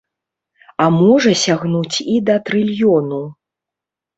А можа сягнуць і да трыльёну.